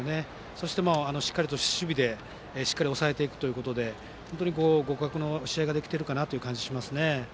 そして守備でしっかり抑えていくということで本当に互角の試合ができている感じですね。